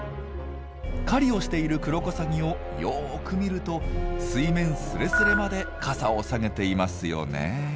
狩りをしているクロコサギをよく見ると水面スレスレまで傘を下げていますよね。